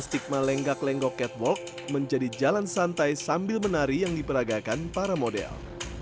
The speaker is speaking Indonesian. stigma lenggak lenggok catwalk menjadi jalan santai sambil menari yang diperagakan para model